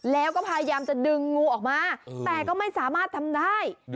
แล้วก็พยายามจะดึงงูออกมาแต่ก็ไม่สามารถทำได้